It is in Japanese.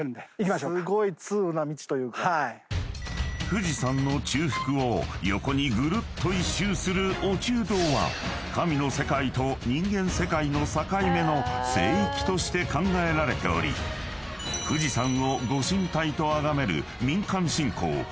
［富士山の中腹を横にぐるっと１周する御中道は神の世界と人間世界の境目の聖域として考えられており富士山をご神体とあがめる民間信仰］